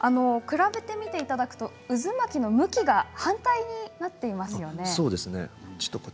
比べて見ていただくと渦巻きの向きが反対になっていますよね。